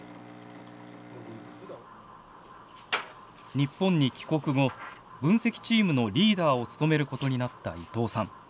日本に帰国後分析チームのリーダーを務めることになった伊藤さん。